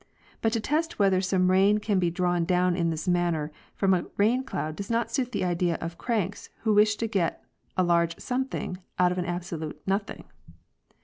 But to test whether some rain can be drawn down in this manner from a rain cloud does not suit the ideas of cranks who wish to get a large something out of an absolute nothing.